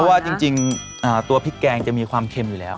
เพราะว่าจริงตัวพริกแกงจะมีความเค็มอยู่แล้ว